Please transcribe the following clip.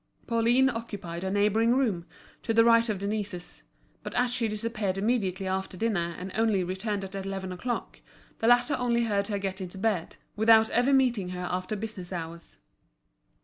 Pauline occupied a neighbouring room, to the right of Denise's; but as she disappeared immediately after dinner and only returned at eleven o'clock, the latter only heard her get into bed, without ever meeting her after business hours.